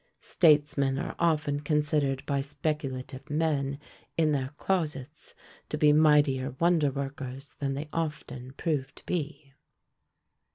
Statesmen are often considered by speculative men in their closets to be mightier wonder workers than they often prove to be.